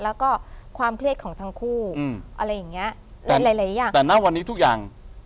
แล้วก็ความเครียดของทั้งคู่อืมอะไรอย่างเงี้ยหลายหลายอย่างแต่ณวันนี้ทุกอย่าง